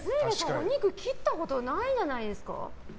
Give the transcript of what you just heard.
お肉切ったことないんじゃないですか？